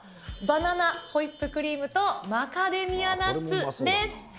バナナ、ホイップクリームとマカデミアナッツです。